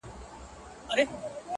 کښتۍ په نيت چلېږي.